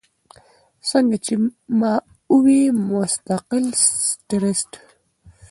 څنګه چې ما اووې مستقل سټرېس ،